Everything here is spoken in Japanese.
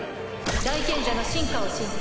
大賢者の進化を申請。